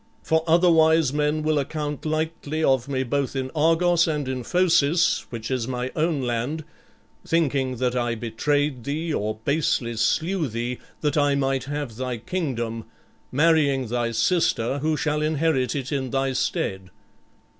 For otherwise men will account lightly of me both in Argos and in Phocis, which is my own land, thinking that I betrayed thee or basely slew thee, that I might have thy kingdom, marrying thy sister, who shall inherit it in thy stead.